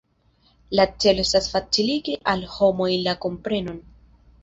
La celo estas faciligi al homoj la komprenon.